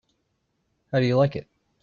How do you like it?